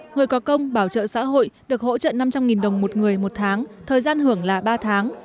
người có công bảo trợ xã hội được hỗ trợ năm trăm linh đồng một người một tháng thời gian hưởng là ba tháng